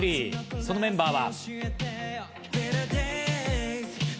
そのメンバーは。